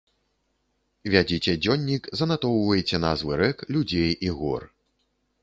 Вядзіце дзённік, занатоўвайце назвы рэк, людзей і гор.